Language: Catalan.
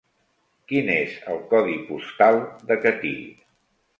Quin és el codi postal de Catí?